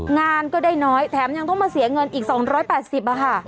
งานก็ได้น้อยแถมยังต้องมาเสียเงินอีก๒๘๐บาทค่ะ